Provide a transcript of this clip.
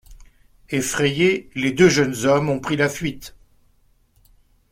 Effrayés, les deux jeunes hommes ont pris la fuite.